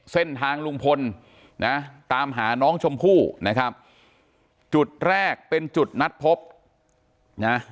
เส้นทางลุงพลนะตามหาน้องชมพู่นะครับจุดแรกเป็นจุดนัดพบนะ